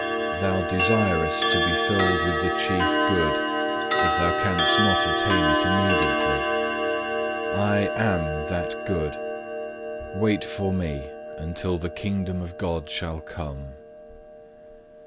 Thou desirest to be filled with the Chief Good, but thou canst not attain it immediately. I AM that Good; wait for Me, until the Kingdom of God shall come.